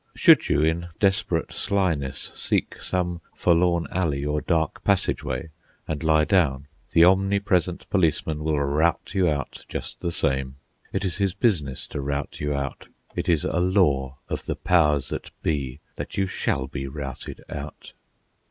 Should you, in desperate slyness, seek some forlorn alley or dark passageway and lie down, the omnipresent policeman will rout you out just the same. It is his business to rout you out. It is a law of the powers that be that you shall be routed out.